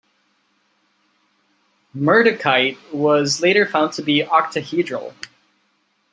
Murdochite was later found to be octahedral.